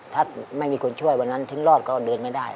ถ้าไม่มีคนช่วยวันนั้นถึงรอดก็เดินไม่ได้